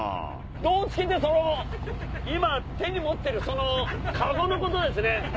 胴突きってその今手に持ってる籠のことですね。